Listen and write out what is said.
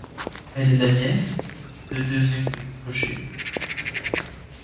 Elle est la nièce de Dezhung Rinpoché.